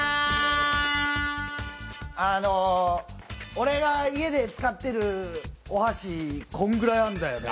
俺が家で使ってるお箸こんぐらいあんだよね。